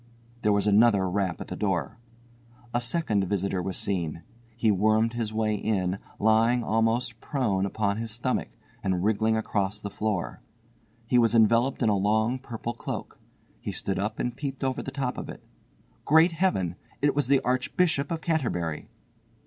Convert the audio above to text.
There was another rap at the door. A second visitor was seen. He wormed his way in, lying almost prone upon his stomach, and wriggling across the floor. He was enveloped in a long purple cloak. He stood up and peeped over the top of it. Great Heaven! It was the Archbishop of Canterbury!